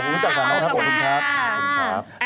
ขอบคุณพี่ตัดข่าวขอบคุณครับ